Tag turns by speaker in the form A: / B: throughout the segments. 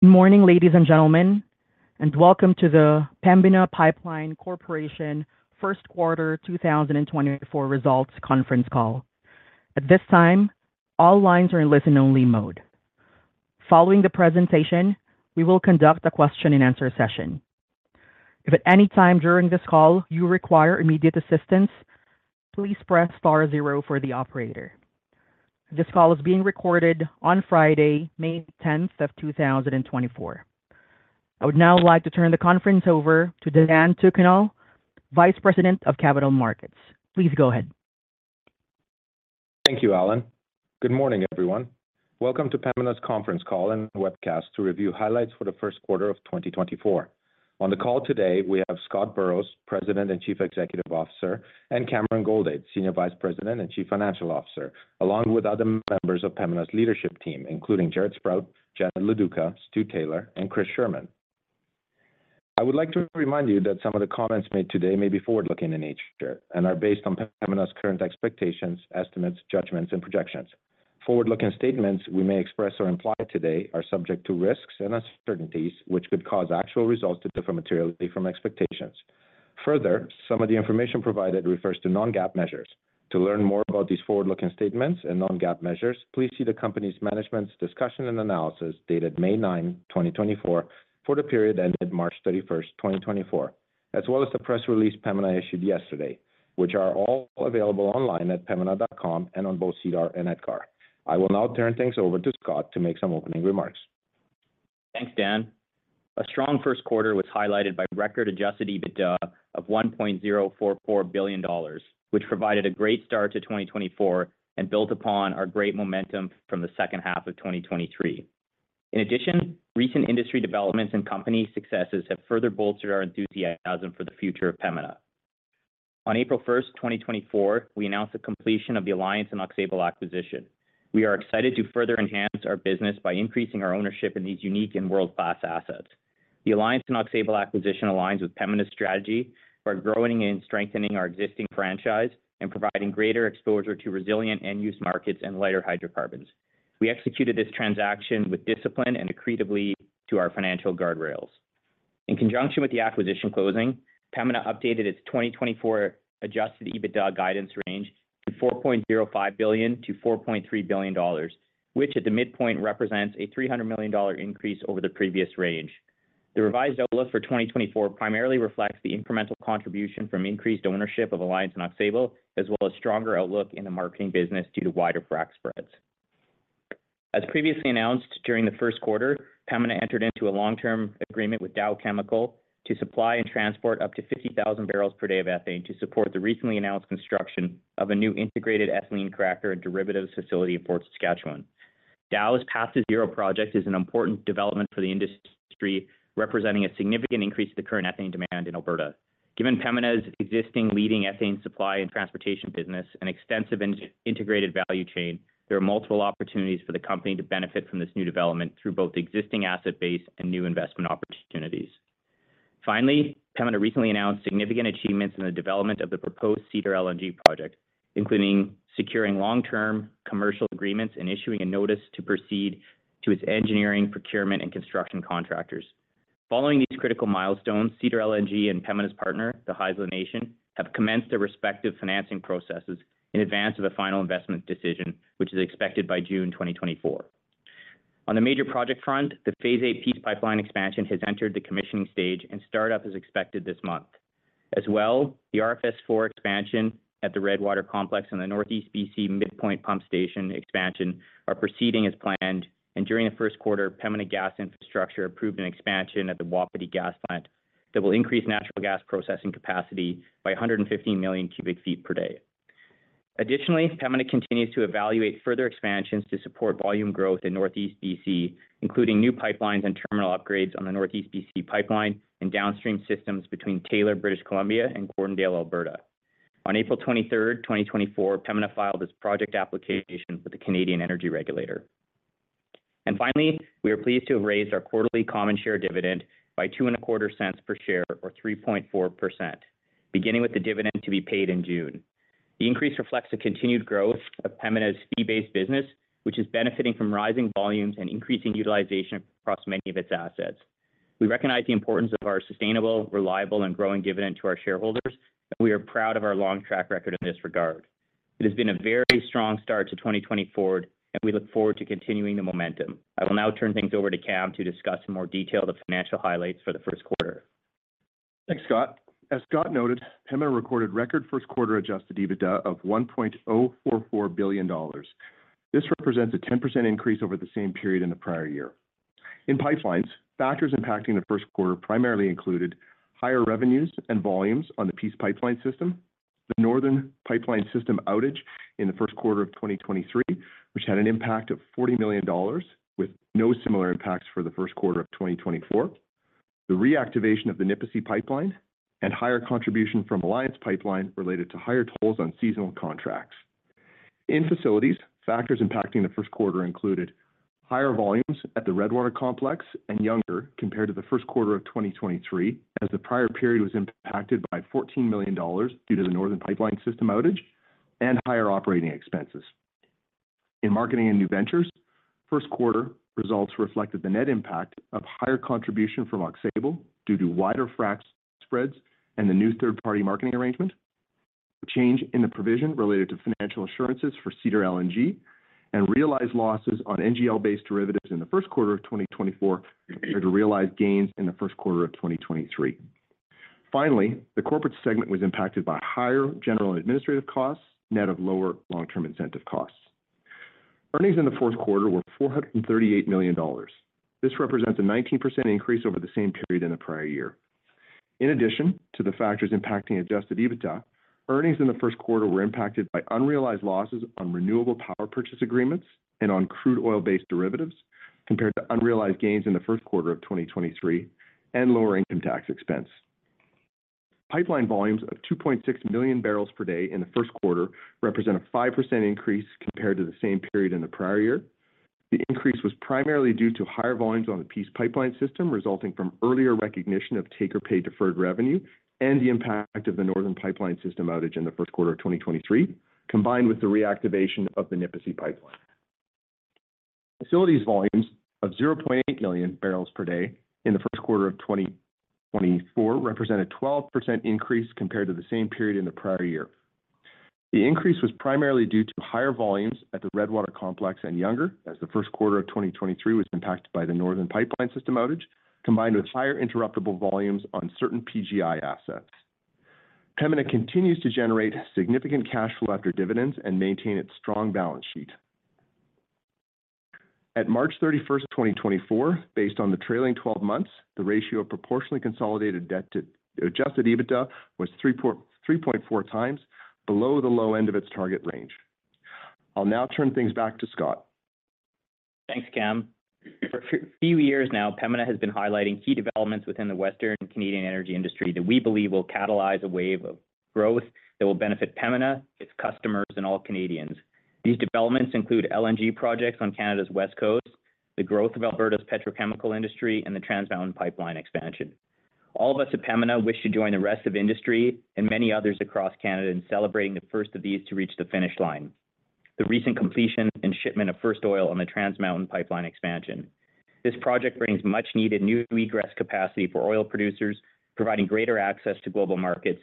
A: Morning, ladies and gentlemen, and welcome to the Pembina Pipeline Corporation First Quarter 2024 Results Conference Call. At this time, all lines are in listen-only mode. Following the presentation, we will conduct a question-and-answer session. If at any time during this call you require immediate assistance, please press star zero for the operator. This call is being recorded on Friday, May 10th of 2024. I would now like to turn the conference over to Dan Tucunel, Vice President of Capital Markets. Please go ahead.
B: Thank you, Alan. Good morning, everyone. Welcome to Pembina's conference call and webcast to review highlights for the first quarter of 2024. On the call today, we have Scott Burrows, President and Chief Executive Officer, and Cameron Goldade, Senior Vice President and Chief Financial Officer, along with other members of Pembina's leadership team, including Jaret Sprott, Janet Loduca, Stuart Taylor, and Chris Scherman. I would like to remind you that some of the comments made today may be forward-looking in nature and are based on Pembina's current expectations, estimates, judgments, and projections. Forward-looking statements we may express or imply today are subject to risks and uncertainties, which could cause actual results to differ materially from expectations. Further, some of the information provided refers to non-GAAP measures. To learn more about these forward-looking statements and non-GAAP measures, please see the company's management's discussion and analysis dated May 9, 2024, for the period ended March 31, 2024, as well as the press release Pembina issued yesterday, which are all available online at pembina.com and on both SEDAR and EDGAR. I will now turn things over to Scott to make some opening remarks.
C: Thanks, Dan. A strong first quarter was highlighted by record Adjusted EBITDA of 1.044 billion dollars, which provided a great start to 2024 and built upon our great momentum from the second half of 2023. In addition, recent industry developments and company successes have further bolstered our enthusiasm for the future of Pembina. On April 1, 2024, we announced the completion of the Alliance and Aux Sable acquisition. We are excited to further enhance our business by increasing our ownership in these unique and world-class assets. The Alliance and Aux Sable acquisition aligns with Pembina's strategy for growing and strengthening our existing franchise and providing greater exposure to resilient end-use markets and lighter hydrocarbons. We executed this transaction with discipline and diligently to our financial guardrails. In conjunction with the acquisition closing, Pembina updated its 2024 adjusted EBITDA guidance range from 4.05 billion to 4.3 billion dollars, which at the midpoint represents a 300 million dollar increase over the previous range. The revised outlook for 2024 primarily reflects the incremental contribution from increased ownership of Alliance and Aux Sable, as well as stronger outlook in the marketing business due to wider frac spreads. As previously announced during the first quarter, Pembina entered into a long-term agreement with Dow Chemical to supply and transport up to 50,000 barrels per day of ethane to support the recently announced construction of a new integrated ethylene cracker and derivatives facility in Fort Saskatchewan. Dow's Path to Zero project is an important development for the industry, representing a significant increase to the current ethane demand in Alberta. Given Pembina's existing leading ethane supply and transportation business and extensive integrated value chain, there are multiple opportunities for the company to benefit from this new development through both the existing asset base and new investment opportunities. Finally, Pembina recently announced significant achievements in the development of the proposed Cedar LNG project, including securing long-term commercial agreements and issuing a notice to proceed to its engineering, procurement, and construction contractors. Following these critical milestones, Cedar LNG and Pembina's partner, the Haisla Nation, have commenced their respective financing processes in advance of a final investment decision, which is expected by June 2024. On the major project front, the Phase 8 Peace Pipeline expansion has entered the commissioning stage, and startup is expected this month. As well, the RFS4 expansion at the Redwater Complex and the Northeast BC Midpoint Pump Station expansion are proceeding as planned, and during the first quarter, Pembina Gas Infrastructure approved an expansion at the Wapiti Gas Plant that will increase natural gas processing capacity by 115 million cubic feet per day. Additionally, Pembina continues to evaluate further expansions to support volume growth in Northeast BC, including new pipelines and terminal upgrades on the Northeast BC Pipeline and downstream systems between Taylor, British Columbia, and Gordondale, Alberta. On April 23, 2024, Pembina filed its project application with the Canadian Energy Regulator. Finally, we are pleased to have raised our quarterly common share dividend by 0.0225 per share, or 3.4%, beginning with the dividend to be paid in June. The increase reflects the continued growth of Pembina's fee-based business, which is benefiting from rising volumes and increasing utilization across many of its assets. We recognize the importance of our sustainable, reliable, and growing dividend to our shareholders, and we are proud of our long track record in this regard. It has been a very strong start to 2024, and we look forward to continuing the momentum. I will now turn things over to Cam to discuss in more detail the financial highlights for the first quarter.
D: Thanks, Scott. As Scott noted, Pembina recorded record 1st quarter Adjusted EBITDA of 1.044 billion dollars. This represents a 10% increase over the same period in the prior year. In pipelines, factors impacting the 1st quarter primarily included higher revenues and volumes on the Peace Pipeline system, the Northern Pipeline system outage in the 1st quarter of 2023, which had an impact of 40 million dollars, with no similar impacts for the 1st quarter of 2024, the reactivation of the Nipisi Pipeline, and higher contribution from Alliance Pipeline related to higher tolls on seasonal contracts. In facilities, factors impacting the 1st quarter included higher volumes at the Redwater Complex and higher compared to the 1st quarter of 2023, as the prior period was impacted by 14 million dollars due to the Northern Pipeline system outage and higher operating expenses. In marketing and new ventures, first quarter results reflected the net impact of higher contribution from Aux Sable due to wider frac spreads and the new third-party marketing arrangement, change in the provision related to financial assurances for Cedar LNG, and realized losses on NGL-based derivatives in the first quarter of 2024 compared to realized gains in the first quarter of 2023. Finally, the corporate segment was impacted by higher general administrative costs net of lower long-term incentive costs. Earnings in the fourth quarter were 438 million dollars. This represents a 19% increase over the same period in the prior year. In addition to the factors impacting Adjusted EBITDA, earnings in the first quarter were impacted by unrealized losses on renewable power purchase agreements and on crude oil-based derivatives compared to unrealized gains in the first quarter of 2023 and lower income tax expense. Pipeline volumes of 2.6 million barrels per day in the first quarter represent a 5% increase compared to the same period in the prior year. The increase was primarily due to higher volumes on the Peace Pipeline system resulting from earlier recognition of take-or-pay deferred revenue and the impact of the Northern Pipeline system outage in the first quarter of 2023, combined with the reactivation of the Nipisi Pipeline. Facilities volumes of 0.8 million barrels per day in the first quarter of 2024 represented a 12% increase compared to the same period in the prior year. The increase was primarily due to higher volumes at the Redwater Complex and Younger, as the first quarter of 2023 was impacted by the Northern Pipeline system outage, combined with higher interruptible volumes on certain PGI assets. Pembina continues to generate significant cash flow after dividends and maintain its strong balance sheet. At March 31, 2024, based on the trailing 12 months, the ratio of proportionally consolidated debt to Adjusted EBITDA was 3.4 times below the low end of its target range. I'll now turn things back to Scott.
C: Thanks, Cam. For a few years now, Pembina has been highlighting key developments within the Western Canadian energy industry that we believe will catalyze a wave of growth that will benefit Pembina, its customers, and all Canadians. These developments include LNG projects on Canada's West Coast, the growth of Alberta's petrochemical industry, and the Trans Mountain Pipeline expansion. All of us at Pembina wish to join the rest of industry and many others across Canada in celebrating the first of these to reach the finish line. The recent completion and shipment of first oil on the Trans Mountain Pipeline expansion. This project brings much-needed new egress capacity for oil producers, providing greater access to global markets,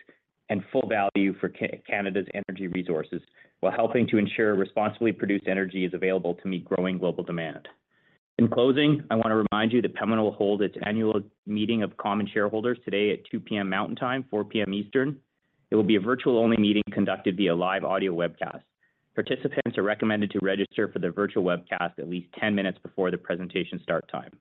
C: and full value for Canada's energy resources while helping to ensure responsibly produced energy is available to meet growing global demand. In closing, I want to remind you that Pembina will hold its annual meeting of common shareholders today at 2:00 P.M. Mountain Time, 4:00 P.M. Eastern. It will be a virtual-only meeting conducted via live audio webcast. Participants are recommended to register for the virtual webcast at least 10 minutes before the presentation start time.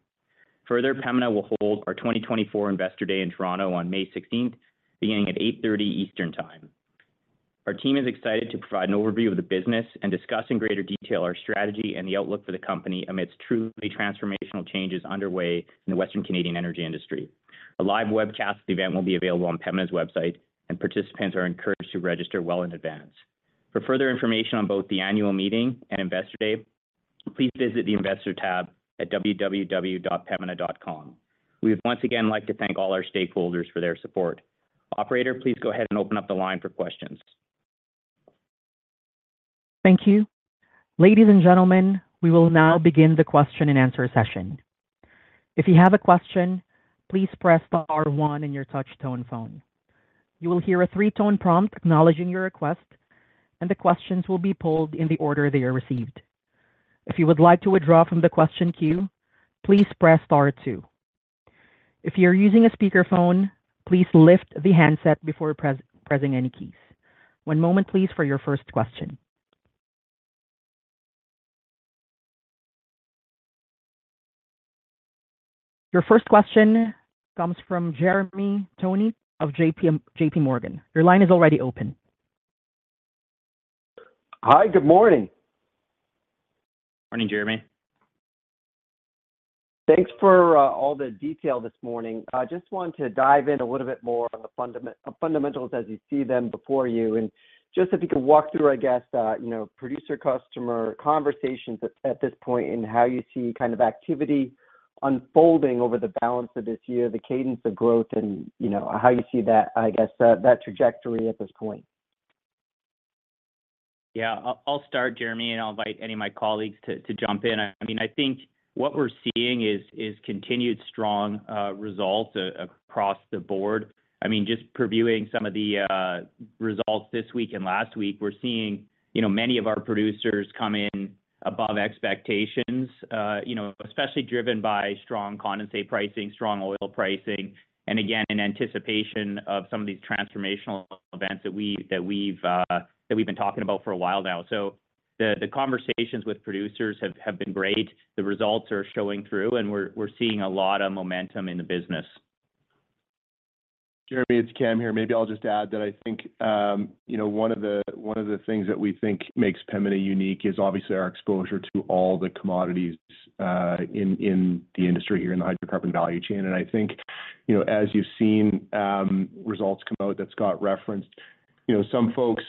C: Further, Pembina will hold our 2024 Investor Day in Toronto on May 16th, beginning at 8:30 A.M. Eastern Time. Our team is excited to provide an overview of the business and discuss in greater detail our strategy and the outlook for the company amidst truly transformational changes underway in the Western Canadian energy industry. A live webcast of the event will be available on Pembina's website, and participants are encouraged to register well in advance. For further information on both the annual meeting and Investor Day, please visit the Investor tab at www.pembina.com. We would once again like to thank all our stakeholders for their support. Operator, please go ahead and open up the line for questions.
A: Thank you. Ladies and gentlemen, we will now begin the question and answer session. If you have a question, please press star one on your touch-tone phone. You will hear a three-tone prompt acknowledging your request, and the questions will be pulled in the order they are received. If you would like to withdraw from the question queue, please press star two. If you're using a speakerphone, please lift the handset before pressing any keys. One moment, please, for your first question. Your first question comes from Jeremy Tonet of J.P. Morgan. Your line is already open.
E: Hi, good morning.
C: Morning, Jeremy.
E: Thanks for all the detail this morning. I just want to dive in a little bit more on the fundamentals as you see them before you, and just if you could walk through, I guess, producer-customer conversations at this point and how you see kind of activity unfolding over the balance of this year, the cadence of growth, and how you see that, I guess, that trajectory at this point?
C: Yeah, I'll start, Jeremy, and I'll invite any of my colleagues to jump in. I mean, I think what we're seeing is continued strong results across the board. I mean, just previewing some of the results this week and last week, we're seeing many of our producers come in above expectations, especially driven by strong condensate pricing, strong oil pricing, and again, in anticipation of some of these transformational events that we've been talking about for a while now. So the conversations with producers have been great. The results are showing through, and we're seeing a lot of momentum in the business.
D: Jeremy, it's Cam here. Maybe I'll just add that I think one of the things that we think makes Pembina unique is obviously our exposure to all the commodities in the industry here in the hydrocarbon value chain. I think, as you've seen results come out that Scott referenced, some folks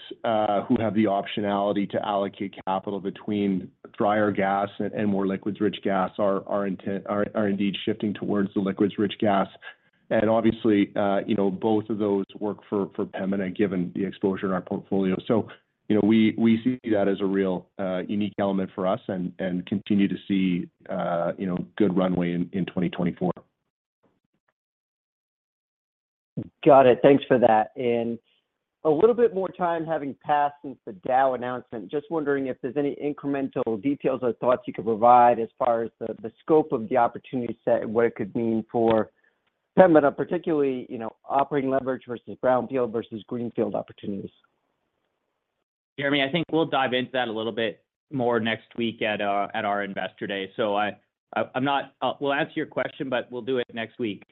D: who have the optionality to allocate capital between drier gas and more liquids-rich gas are indeed shifting towards the liquids-rich gas. Obviously, both of those work for Pembina, given the exposure in our portfolio. We see that as a real unique element for us and continue to see good runway in 2024.
E: Got it. Thanks for that. In a little bit more time, having passed since the Dow announcement, just wondering if there's any incremental details or thoughts you could provide as far as the scope of the opportunity set and what it could mean for Pembina, particularly operating leverage versus brownfield versus greenfield opportunities?
C: Jeremy, I think we'll dive into that a little bit more next week at our Investor Day. So, we'll answer your question, but we'll do it next week.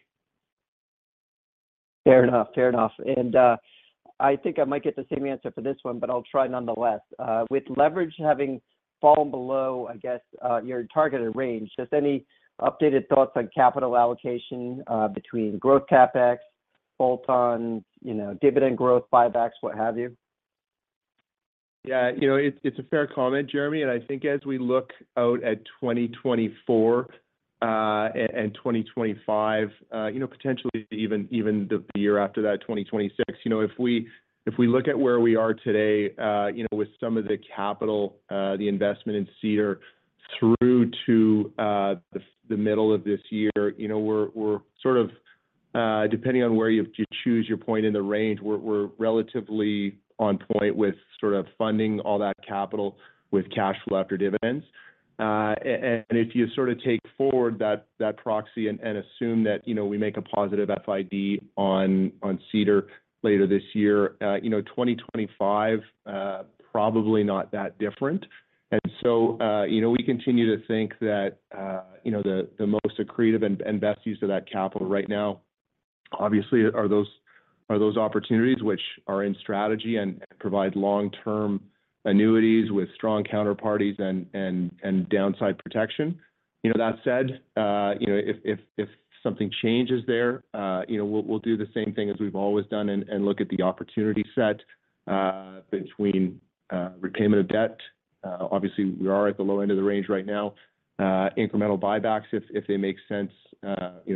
E: Fair enough. Fair enough. And I think I might get the same answer for this one, but I'll try nonetheless. With leverage having fallen below, I guess, your targeted range, just any updated thoughts on capital allocation between growth CapEx, bolt-on, dividend growth buybacks, what have you?
D: Yeah, it's a fair comment, Jeremy. And I think as we look out at 2024 and 2025, potentially even the year after that, 2026, if we look at where we are today with some of the capital, the investment in Cedar through to the middle of this year, we're sort of depending on where you choose your point in the range, we're relatively on point with sort of funding all that capital with cash flow after dividends. And if you sort of take forward that proxy and assume that we make a positive FID on Cedar later this year, 2025, probably not that different. And so we continue to think that the most accretive and best use of that capital right now, obviously, are those opportunities which are in strategy and provide long-term annuities with strong counterparties and downside protection. That said, if something changes there, we'll do the same thing as we've always done and look at the opportunity set between repayment of debt. Obviously, we are at the low end of the range right now. Incremental buybacks, if they make sense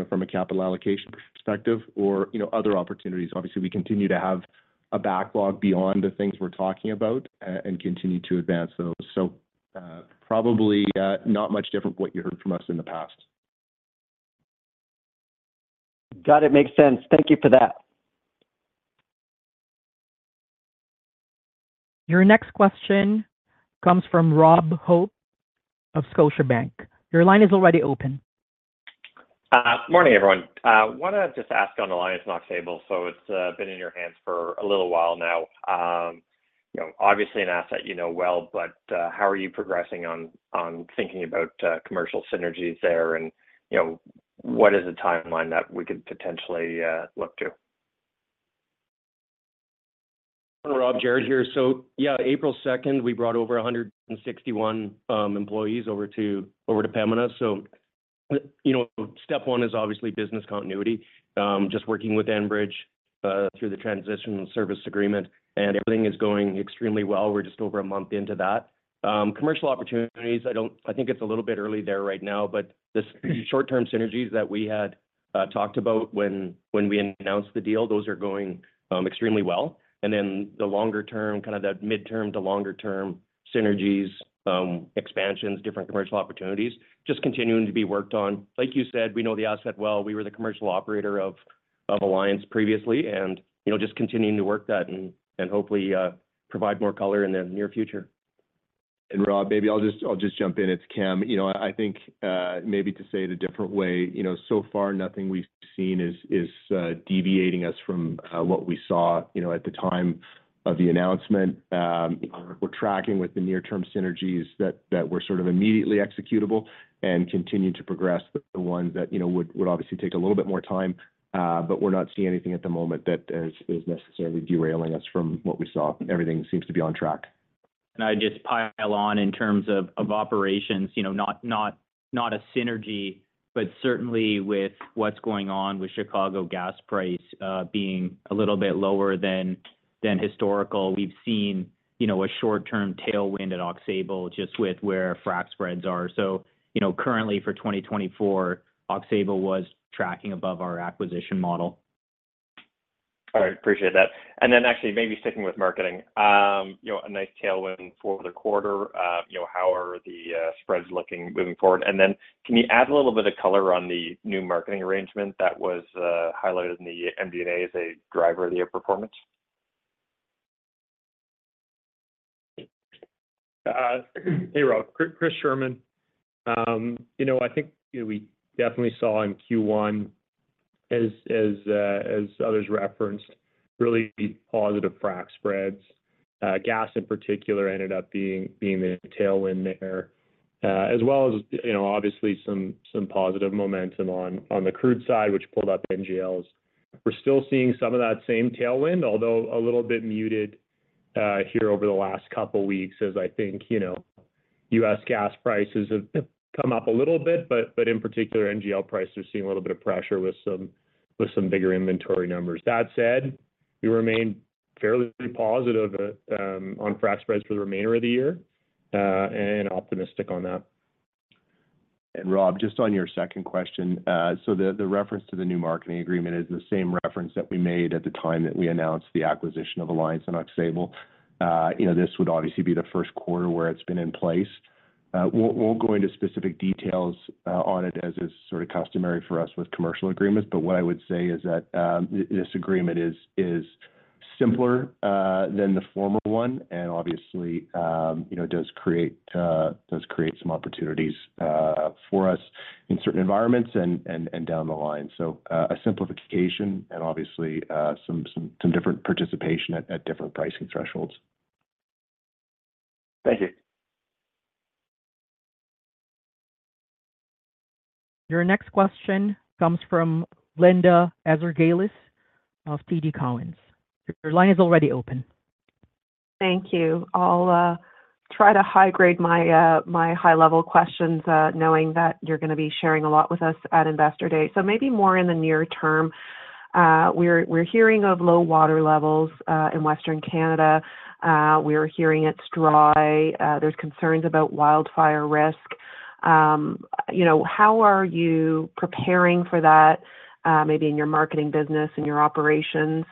D: from a capital allocation perspective, or other opportunities. Obviously, we continue to have a backlog beyond the things we're talking about and continue to advance those. So probably not much different from what you heard from us in the past.
E: Got it. Makes sense. Thank you for that.
A: Your next question comes from Rob Hope of Scotiabank. Your line is already open.
F: Morning, everyone. I want to just ask about the Alliance. It's been in your hands for a little while now. Obviously, an asset you know well, but how are you progressing on thinking about commercial synergies there, and what is the timeline that we could potentially look to?
G: Rob, Jaret here. So yeah, April 2nd, we brought over 161 employees over to Pembina. So step one is obviously business continuity. Just working with Enbridge through the transition service agreement, and everything is going extremely well. We're just over a month into that. Commercial opportunities, I think it's a little bit early there right now, but the short-term synergies that we had talked about when we announced the deal, those are going extremely well. And then the longer-term, kind of that midterm to longer-term synergies, expansions, different commercial opportunities, just continuing to be worked on. Like you said, we know the asset well. We were the commercial operator of Alliance previously, and just continuing to work that and hopefully provide more color in the near future.
D: Rob, maybe I'll just jump in. It's Cam. I think maybe to say it a different way, so far, nothing we've seen is deviating us from what we saw at the time of the announcement. We're tracking with the near-term synergies that were sort of immediately executable and continue to progress the ones that would obviously take a little bit more time, but we're not seeing anything at the moment that is necessarily derailing us from what we saw. Everything seems to be on track.
C: I'd just pile on in terms of operations, not a synergy, but certainly with what's going on with Chicago gas price being a little bit lower than historical, we've seen a short-term tailwind at Aux Sable just with where frac spreads are. Currently, for 2024, Aux Sable was tracking above our acquisition model.
F: All right. Appreciate that. And then actually, maybe sticking with marketing, a nice tailwind for the quarter. How are the spreads looking moving forward? And then can you add a little bit of color on the new marketing arrangement that was highlighted in the MD&A as a driver of the year performance?
D: Hey, Rob. Chris Scherman. I think we definitely saw in Q1, as others referenced, really positive frac spreads. Gas, in particular, ended up being the tailwind there, as well as obviously some positive momentum on the crude side, which pulled up NGLs. We're still seeing some of that same tailwind, although a little bit muted here over the last couple of weeks, as I think U.S. gas prices have come up a little bit, but in particular, NGL prices are seeing a little bit of pressure with some bigger inventory numbers. That said, we remain fairly positive on frac spreads for the remainder of the year and optimistic on that. And Rob, just on your second question, so the reference to the new marketing agreement is the same reference that we made at the time that we announced the acquisition of Alliance and Aux Sable. This would obviously be the first quarter where it's been in place. We won't go into specific details on it as is sort of customary for us with commercial agreements, but what I would say is that this agreement is simpler than the former one and obviously does create some opportunities for us in certain environments and down the line. So a simplification and obviously some different participation at different pricing thresholds.
F: Thank you.
A: Your next question comes from Linda Ezergailis of TD Cowen. Your line is already open.
H: Thank you. I'll try to high-grade my high-level questions knowing that you're going to be sharing a lot with us at Investor Day. So maybe more in the near term. We're hearing of low water levels in Western Canada. We're hearing it's dry. There's concerns about wildfire risk. How are you preparing for that, maybe in your marketing business, in your operations?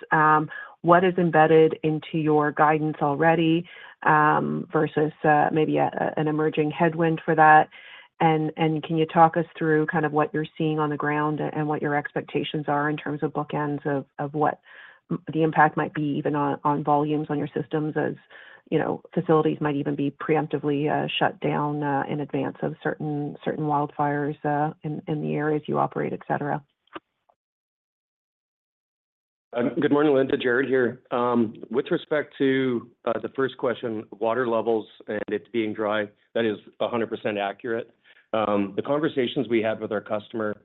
H: What is embedded into your guidance already versus maybe an emerging headwind for that? And can you talk us through kind of what you're seeing on the ground and what your expectations are in terms of bookends of what the impact might be, even on volumes, on your systems as facilities might even be preemptively shut down in advance of certain wildfires in the areas you operate, etc.?
D: Good morning, Linda. Jaret here. With respect to the first question, water levels and it being dry, that is 100% accurate. The conversations we had with our customers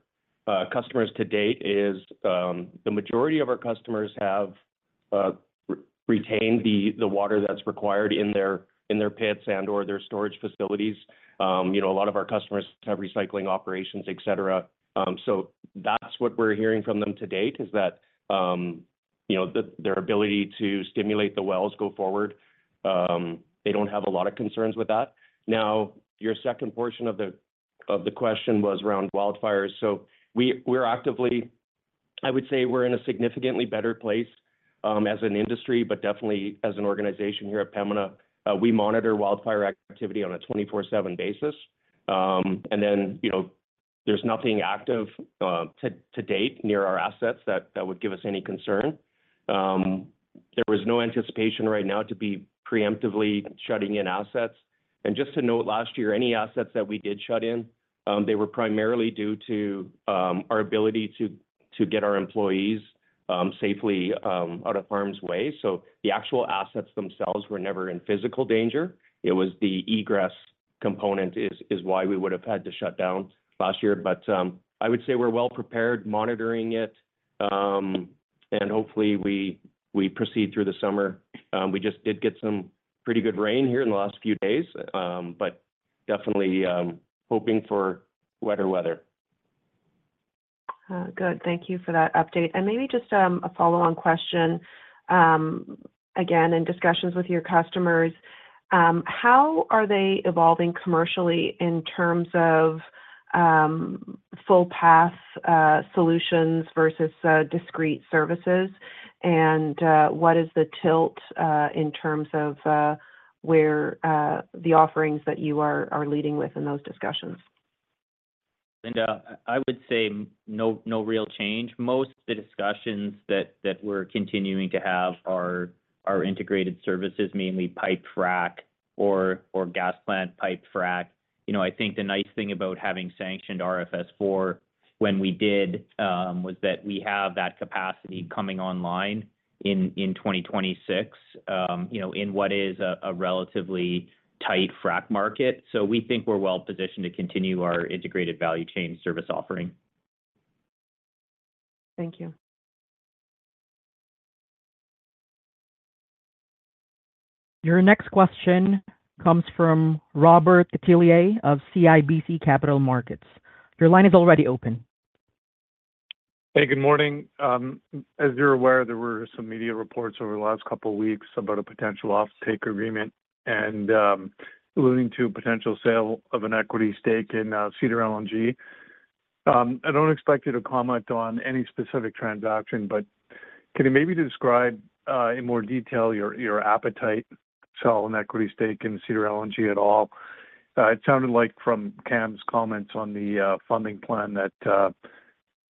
D: to date is the majority of our customers have retained the water that's required in their pits and/or their storage facilities. A lot of our customers have recycling operations, etc. So that's what we're hearing from them to date, is that their ability to stimulate the wells go forward. They don't have a lot of concerns with that. Now, your second portion of the question was around wildfires. So we're actively I would say we're in a significantly better place as an industry, but definitely as an organization here at Pembina, we monitor wildfire activity on a 24/7 basis. And then there's nothing active to date near our assets that would give us any concern. There was no anticipation right now to be preemptively shutting in assets. And just to note, last year, any assets that we did shut in, they were primarily due to our ability to get our employees safely out of harm's way. So the actual assets themselves were never in physical danger. It was the egress component is why we would have had to shut down last year. But I would say we're well prepared, monitoring it. And hopefully, we proceed through the summer. We just did get some pretty good rain here in the last few days, but definitely hoping for wetter weather.
H: Good. Thank you for that update. And maybe just a follow-on question. Again, in discussions with your customers, how are they evolving commercially in terms of full-path solutions versus discrete services? And what is the tilt in terms of where the offerings that you are leading with in those discussions?
C: Linda, I would say no real change. Most of the discussions that we're continuing to have are integrated services, mainly pipe frac or gas plant pipe frac. I think the nice thing about having sanctioned RFS4 when we did was that we have that capacity coming online in 2026 in what is a relatively tight frac market. So we think we're well positioned to continue our integrated value chain service offering.
H: Thank you.
A: Your next question comes from Robert Catellier of CIBC Capital Markets. Your line is already open.
I: Hey, good morning. As you're aware, there were some media reports over the last couple of weeks about a potential offtake agreement and alluding to a potential sale of an equity stake in Cedar LNG. I don't expect you to comment on any specific transaction, but can you maybe describe in more detail your appetite to sell an equity stake in Cedar LNG at all? It sounded like from Cam's comments on the funding plan that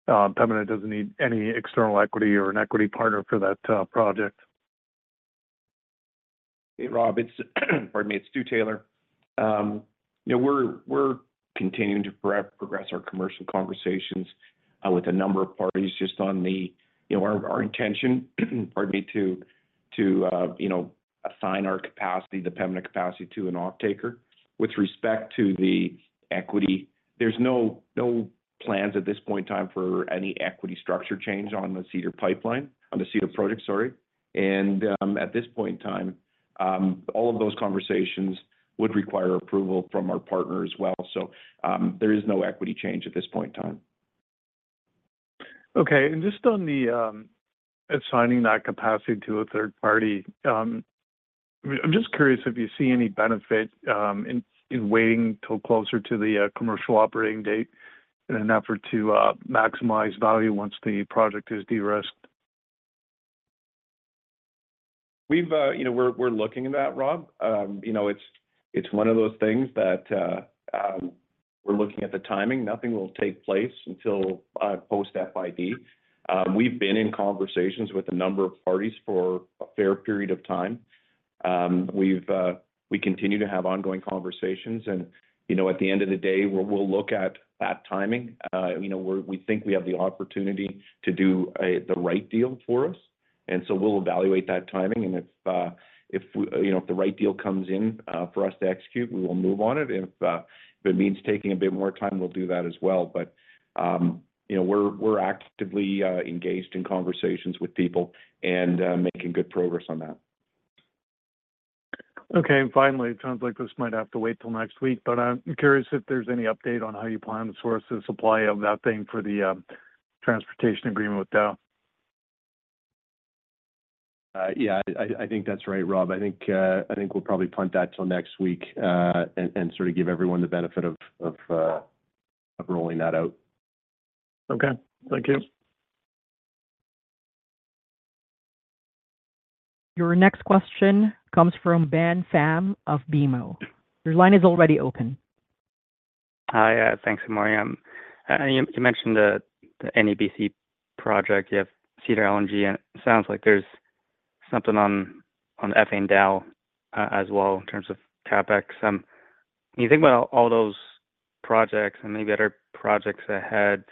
I: Pembina doesn't need any external equity or an equity partner for that project.
D: Hey, Rob. Pardon me. It's Stu Taylor. We're continuing to progress our commercial conversations with a number of parties just on our intention, pardon me, to assign our capacity, the Pembina capacity, to an offtaker with respect to the equity. There's no plans at this point in time for any equity structure change on the Cedar pipeline, on the Cedar project, sorry. And at this point in time, all of those conversations would require approval from our partner as well. So there is no equity change at this point in time.
I: Okay. Just on the assigning that capacity to a third party, I'm just curious if you see any benefit in waiting till closer to the commercial operating date in an effort to maximize value once the project is de-risked?
D: We're looking at that, Rob. It's one of those things that we're looking at the timing. Nothing will take place until post-FID. We've been in conversations with a number of parties for a fair period of time. We continue to have ongoing conversations. At the end of the day, we'll look at that timing. We think we have the opportunity to do the right deal for us. We'll evaluate that timing. If the right deal comes in for us to execute, we will move on it. If it means taking a bit more time, we'll do that as well. We're actively engaged in conversations with people and making good progress on that.
I: Okay. Finally, it sounds like this might have to wait till next week, but I'm curious if there's any update on how you plan to source the supply of that thing for the transportation agreement with Dow?
D: Yeah, I think that's right, Rob. I think we'll probably punt that till next week and sort of give everyone the benefit of rolling that out.
I: Okay. Thank you.
A: Your next question comes from Ben Pham of BMO. Your line is already open.
J: Hi. Thanks, and morning. You mentioned the NEBC project. You have Cedar LNG, and it sounds like there's something on A&A and Dow as well in terms of CapEx. When you think about all those projects and maybe other projects ahead,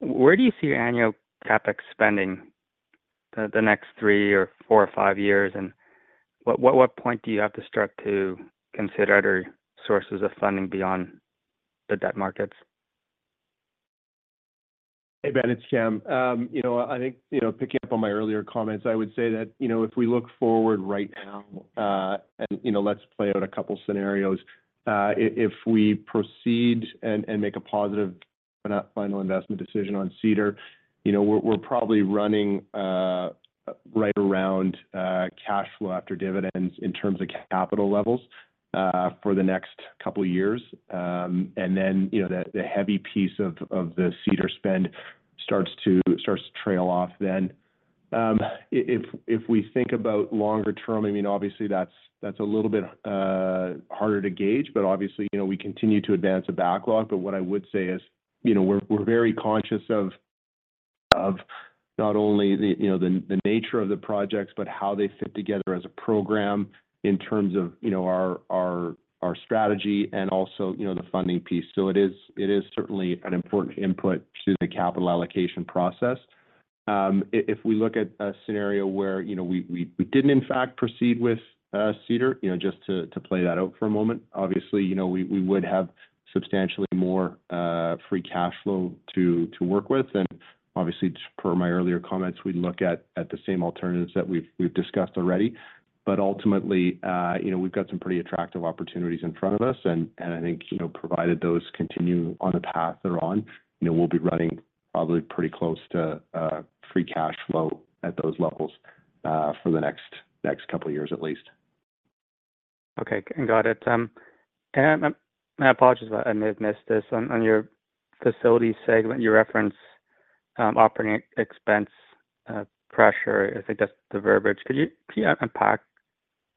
J: where do you see your annual CapEx spending the next three or four or five years? And what point do you have to start to consider other sources of funding beyond the debt markets?
D: Hey, Ben. It's Cam. I think picking up on my earlier comments, I would say that if we look forward right now and let's play out a couple of scenarios. If we proceed and make a positive final investment decision on Cedar, we're probably running right around cash flow after dividends in terms of capital levels for the next couple of years. And then the heavy piece of the Cedar spend starts to trail off then. If we think about longer term, I mean, obviously, that's a little bit harder to gauge, but obviously, we continue to advance a backlog. But what I would say is we're very conscious of not only the nature of the projects, but how they fit together as a program in terms of our strategy and also the funding piece. So it is certainly an important input to the capital allocation process. If we look at a scenario where we didn't, in fact, proceed with Cedar, just to play that out for a moment, obviously, we would have substantially more free cash flow to work with. And obviously, per my earlier comments, we'd look at the same alternatives that we've discussed already. But ultimately, we've got some pretty attractive opportunities in front of us. And I think provided those continue on the path they're on, we'll be running probably pretty close to free cash flow at those levels for the next couple of years, at least.
J: Okay. Got it. And I apologize if I missed this. On your facility segment, you referenced operating expense pressure. I think that's the verbiage. Could you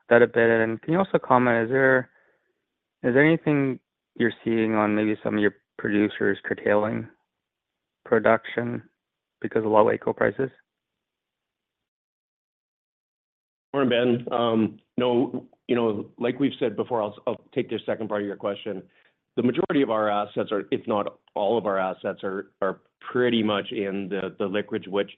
J: unpack that a bit? And can you also comment, is there anything you're seeing on maybe some of your producers curtailing production because of low AECO prices?
D: Morning, Ben. Like we've said before, I'll take this second part of your question. The majority of our assets, if not all of our assets, are pretty much in the liquids-rich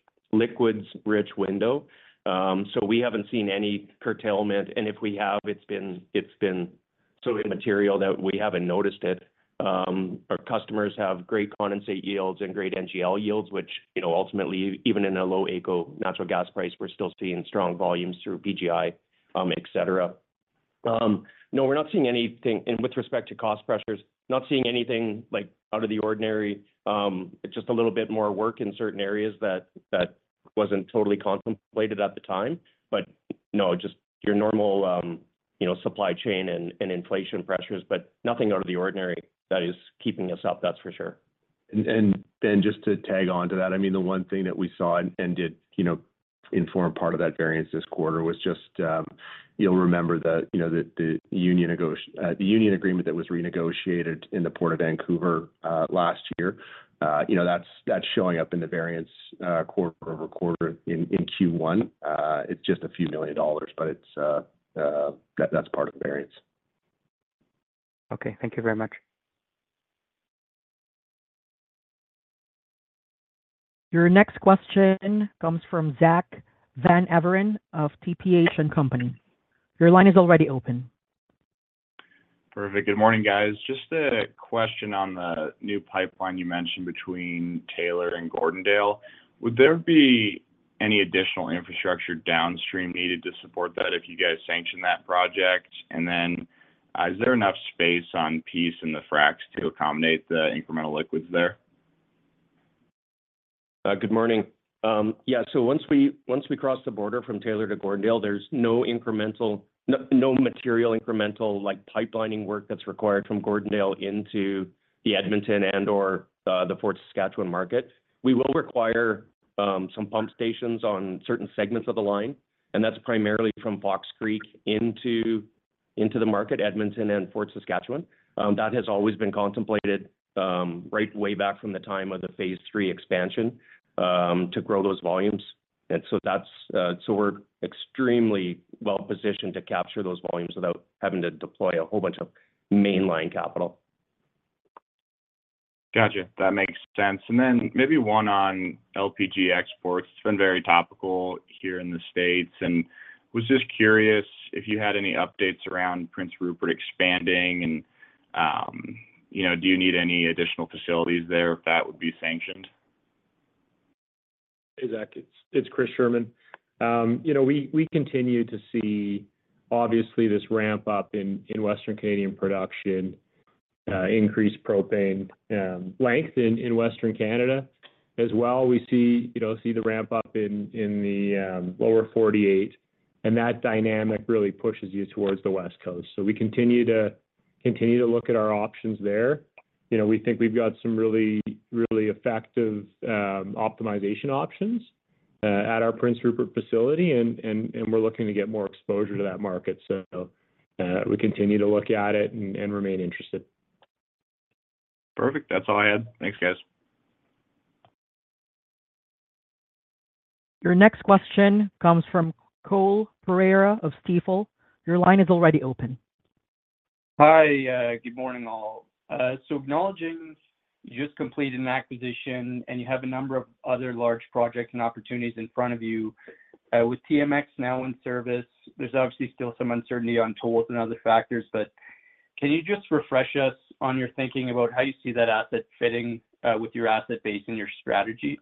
D: window. We haven't seen any curtailment. If we have, it's been so immaterial that we haven't noticed it. Our customers have great condensate yields and great NGL yields, which ultimately, even in a low AECO natural gas price, we're still seeing strong volumes through PGI, etc. No, we're not seeing anything with respect to cost pressures. Not seeing anything out of the ordinary. Just a little bit more work in certain areas that wasn't totally contemplated at the time. No, just your normal supply chain and inflation pressures, but nothing out of the ordinary that is keeping us up, that's for sure. And Ben, just to tag on to that, I mean, the one thing that we saw and did inform part of that variance this quarter was just you'll remember the union agreement that was renegotiated in the Port of Vancouver last year. That's showing up in the variance quarter-over-quarter in Q1. It's just a few million CAD, but that's part of the variance.
J: Okay. Thank you very much.
A: Your next question comes from Zack Van Everen of TPH&Co. Your line is already open.
K: Perfect. Good morning, guys. Just a question on the new pipeline you mentioned between Taylor and Gordondale. Would there be any additional infrastructure downstream needed to support that if you guys sanctioned that project? And then is there enough space on the Peace in the fracs to accommodate the incremental liquids there?
L: Good morning. Yeah. So once we cross the border from Taylor to Gordondale, there's no material incremental pipelining work that's required from Gordondale into the Edmonton and/or the Fort Saskatchewan market. We will require some pump stations on certain segments of the line. And that's primarily from Fox Creek into the market, Edmonton, and Fort Saskatchewan. That has always been contemplated right way back from the time of the phase three expansion to grow those volumes. And so we're extremely well positioned to capture those volumes without having to deploy a whole bunch of mainline capital.
K: Gotcha. That makes sense. And then maybe one on LPG exports. It's been very topical here in the States. And I was just curious if you had any updates around Prince Rupert expanding, and do you need any additional facilities there if that would be sanctioned?
M: Hey, Zach. It's Chris Sherman. We continue to see, obviously, this ramp-up in Western Canadian production, increased propane length in Western Canada as well. We see the ramp-up in the lower 48. That dynamic really pushes you towards the West Coast. We continue to look at our options there. We think we've got some really effective optimization options at our Prince Rupert facility, and we're looking to get more exposure to that market. We continue to look at it and remain interested.
K: Perfect. That's all I had. Thanks, guys.
A: Your next question comes from Cole Pereira of Stifel. Your line is already open.
N: Hi. Good morning, all. Acknowledging you just completed an acquisition and you have a number of other large projects and opportunities in front of you with TMX now in service, there's obviously still some uncertainty on tools and other factors. Can you just refresh us on your thinking about how you see that asset fitting with your asset base and your strategy?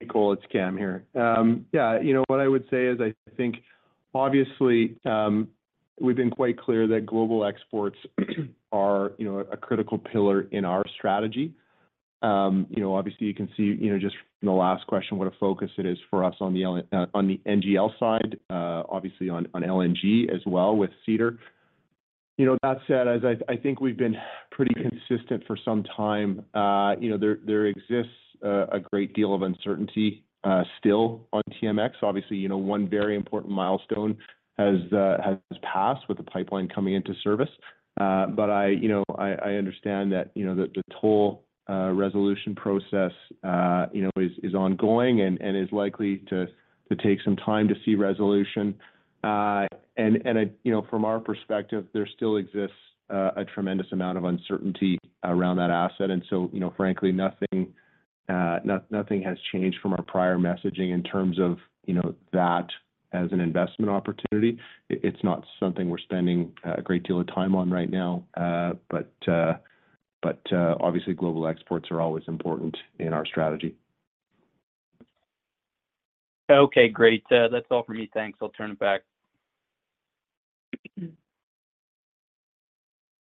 O: Hey, Cole. It's Cam here. Yeah. What I would say is I think, obviously, we've been quite clear that global exports are a critical pillar in our strategy. Obviously, you can see just from the last question what a focus it is for us on the NGL side, obviously on LNG as well with Cedar. That said, as I think we've been pretty consistent for some time, there exists a great deal of uncertainty still on TMX. Obviously, one very important milestone has passed with the pipeline coming into service. But I understand that the toll resolution process is ongoing and is likely to take some time to see resolution. And from our perspective, there still exists a tremendous amount of uncertainty around that asset. And so, frankly, nothing has changed from our prior messaging in terms of that as an investment opportunity. It's not something we're spending a great deal of time on right now. But obviously, global exports are always important in our strategy.
N: Okay. Great. That's all from me. Thanks. I'll turn it back.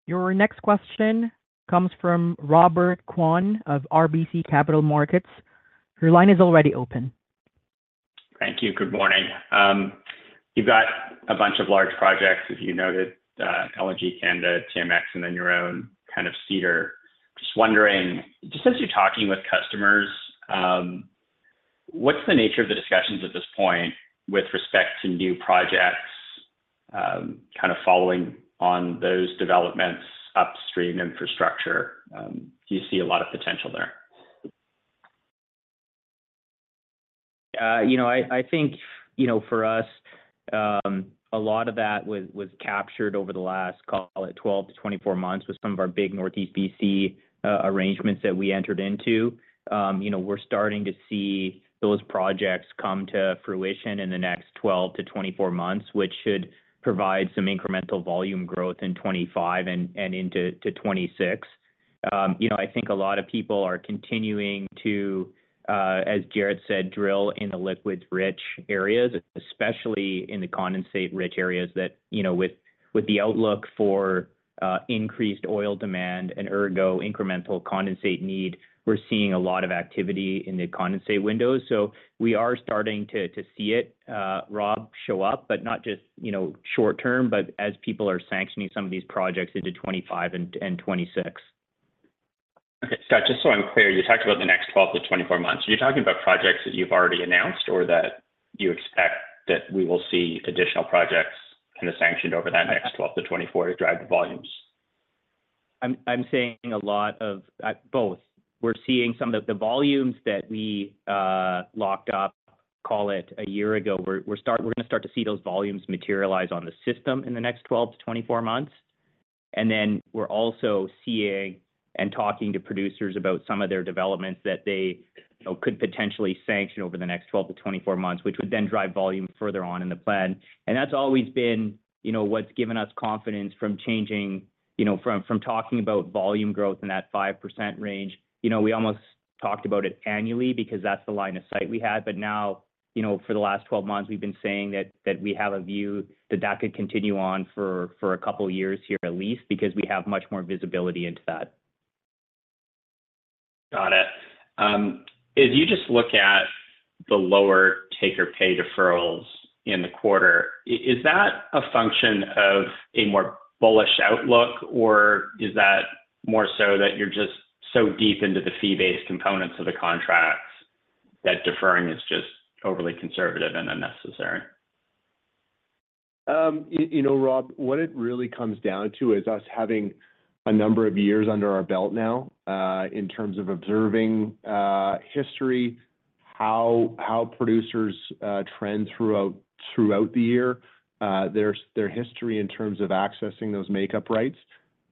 A: Your next question comes from Robert Kwan of RBC Capital Markets. Your line is already open.
P: Thank you. Good morning. You've got a bunch of large projects, as you noted, LNG Canada, TMX, and then your own kind of Cedar. Just wondering, just as you're talking with customers, what's the nature of the discussions at this point with respect to new projects kind of following on those developments upstream infrastructure? Do you see a lot of potential there?
C: I think for us, a lot of that was captured over the last, call it, 12-24 months with some of our big Northeast BC arrangements that we entered into. We're starting to see those projects come to fruition in the next 12-24 months, which should provide some incremental volume growth in 2025 and into 2026. I think a lot of people are continuing to, as Jaret said, drill in the liquids-rich areas, especially in the condensate-rich areas. With the outlook for increased oil demand and ergo, incremental condensate need, we're seeing a lot of activity in the condensate windows. So we are starting to see it, Rob, show up, but not just short-term, but as people are sanctioning some of these projects into 2025 and 2026.
P: Okay. Scott, just so I'm clear, you talked about the next 12-24 months. Are you talking about projects that you've already announced or that you expect that we will see additional projects kind of sanctioned over that next 12-24 to drive the volumes?
C: I'm saying a lot of both. We're seeing some of the volumes that we locked up, call it, a year ago. We're going to start to see those volumes materialize on the system in the next 12-24 months. And then we're also seeing and talking to producers about some of their developments that they could potentially sanction over the next 12-24 months, which would then drive volume further on in the plan. And that's always been what's given us confidence from talking about volume growth in that 5% range. We almost talked about it annually because that's the line of sight we had. But now, for the last 12 months, we've been saying that we have a view that that could continue on for a couple of years here at least because we have much more visibility into that.
P: Got it. As you just look at the lower take-or-pay deferrals in the quarter, is that a function of a more bullish outlook, or is that more so that you're just so deep into the fee-based components of the contracts that deferring is just overly conservative and unnecessary?
O: Rob, what it really comes down to is us having a number of years under our belt now in terms of observing history, how producers trend throughout the year, their history in terms of accessing those makeup rights.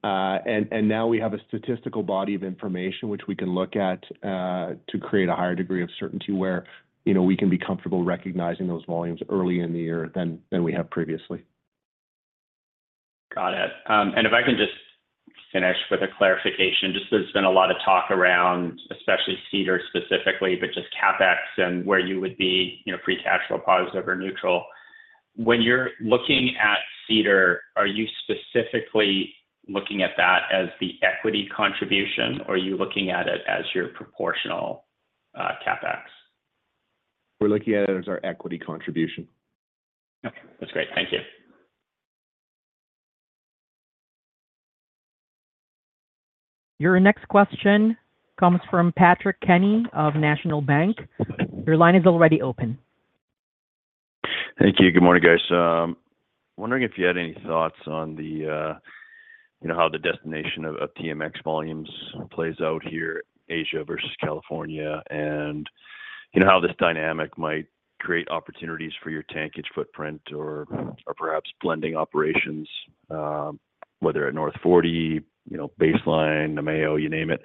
O: And now we have a statistical body of information, which we can look at to create a higher degree of certainty where we can be comfortable recognizing those volumes early in the year than we have previously.
P: Got it. And if I can just finish with a clarification, just there's been a lot of talk around, especially Cedar specifically, but just CapEx and where you would be free cash flow positive or neutral. When you're looking at Cedar, are you specifically looking at that as the equity contribution, or are you looking at it as your proportional CapEx?
D: We're looking at it as our equity contribution.
P: Okay. That's great. Thank you.
A: Your next question comes from Patrick Kenny of National Bank. Your line is already open.
Q: Thank you. Good morning, guys. Wondering if you had any thoughts on how the destination of TMX volumes plays out here, Asia versus California, and how this dynamic might create opportunities for your tankage footprint or perhaps blending operations, whether at North 40, Baseline, Namao, you name it.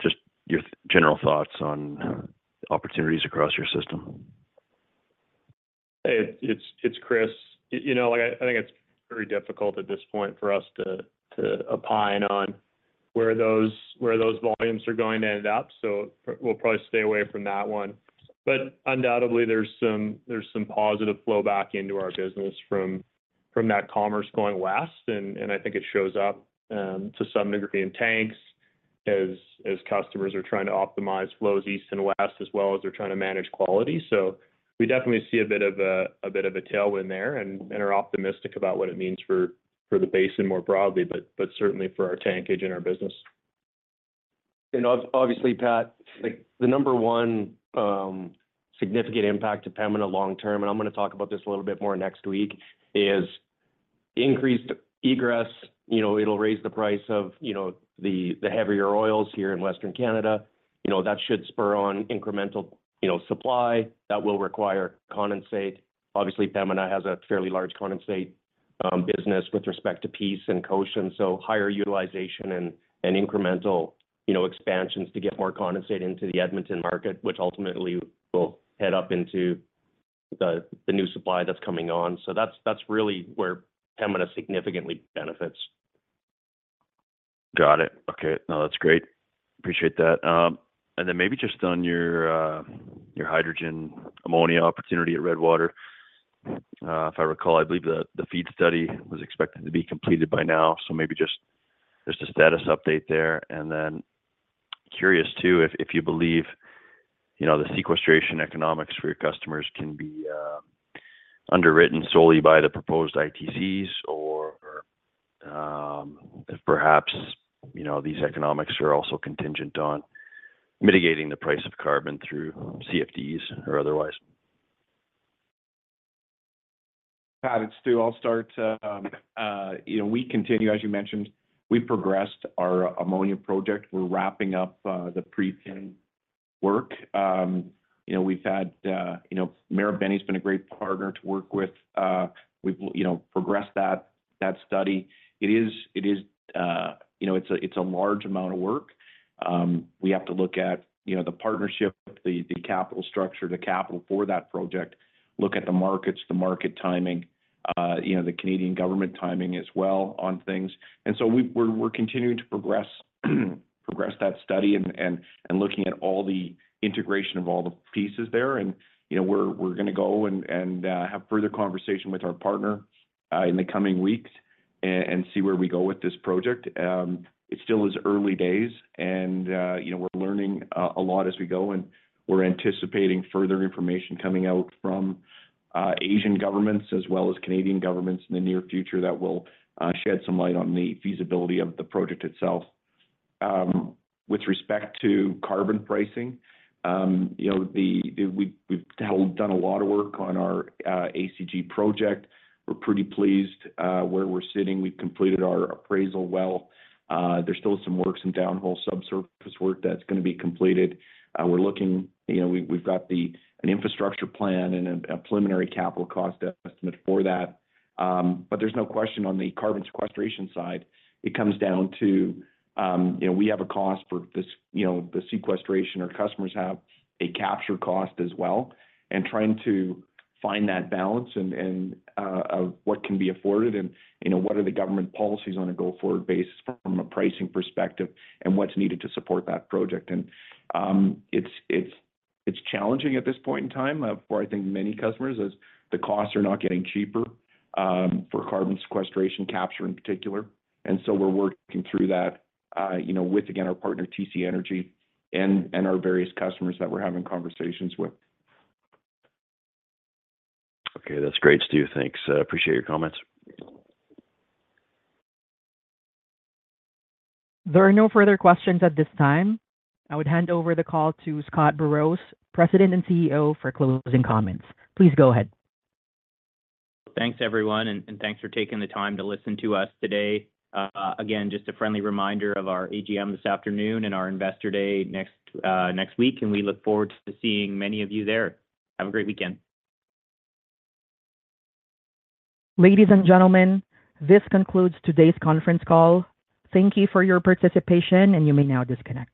Q: Just your general thoughts on opportunities across your system.
M: Hey, it's Chris. I think it's very difficult at this point for us to opine on where those volumes are going to end up. So we'll probably stay away from that one. But undoubtedly, there's some positive flowback into our business from that commerce going west. And I think it shows up to some degree in tanks as customers are trying to optimize flows east and west as well as they're trying to manage quality. So we definitely see a bit of a tailwind there and are optimistic about what it means for the basin more broadly, but certainly for our tankage and our business.
D: And obviously, Pat, the number one significant impact to Pembina long-term, and I'm going to talk about this a little bit more next week, is increased egress. It'll raise the price of the heavier oils here in Western Canada. That should spur on incremental supply. That will require condensate. Obviously, Pembina has a fairly large condensate business with respect to Peace and Cochin. So higher utilization and incremental expansions to get more condensate into the Edmonton market, which ultimately will head up into the new supply that's coming on. So that's really where Pembina significantly benefits.
Q: Got it. Okay. No, that's great. Appreciate that. And then maybe just on your hydrogen ammonia opportunity at Redwater. If I recall, I believe the FEED study was expected to be completed by now. So maybe just a status update there. And then curious too if you believe the sequestration economics for your customers can be underwritten solely by the proposed ITCs or if perhaps these economics are also contingent on mitigating the price of carbon through CFDs or otherwise.
O: Got it, Stu. I'll start. We continue, as you mentioned. We progressed our ammonia project. We're wrapping up the pre-FID work. Marubeni has been a great partner to work with. We've progressed that study. It is a large amount of work. We have to look at the partnership, the capital structure, the capital for that project, look at the markets, the market timing, the Canadian government timing as well on things. And so we're continuing to progress that study and looking at all the integration of all the pieces there. We're going to go and have further conversation with our partner in the coming weeks and see where we go with this project. It still is early days, and we're learning a lot as we go. We're anticipating further information coming out from Asian governments as well as Canadian governments in the near future that will shed some light on the feasibility of the project itself. With respect to carbon pricing, we've done a lot of work on our ACG project. We're pretty pleased where we're sitting. We've completed our appraisal well. There's still some work, some downhole subsurface work that's going to be completed. We're looking, we've got an infrastructure plan and a preliminary capital cost estimate for that. But there's no question on the carbon sequestration side. It comes down to we have a cost for the sequestration or customers have a capture cost as well. And trying to find that balance of what can be afforded and what are the government policies on a go-forward basis from a pricing perspective and what's needed to support that project. And it's challenging at this point in time for, I think, many customers as the costs are not getting cheaper for carbon sequestration, capture in particular. And so we're working through that with, again, our partner, TC Energy, and our various customers that we're having conversations with.
Q: Okay. That's great, Stu. Thanks. I appreciate your comments.
A: There are no further questions at this time. I would hand over the call to Scott Burrows, President and CEO, for closing comments. Please go ahead.
C: Thanks, everyone, and thanks for taking the time to listen to us today. Again, just a friendly reminder of our AGM this afternoon and our Investor Day next week. We look forward to seeing many of you there. Have a great weekend.
A: Ladies and gentlemen, this concludes today's conference call. Thank you for your participation, and you may now disconnect.